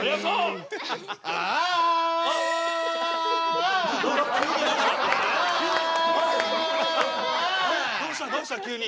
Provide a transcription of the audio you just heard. アアアアどうしたどうした急に。